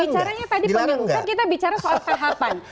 bicaranya tadi pemilu kan kita bicara soal tahapan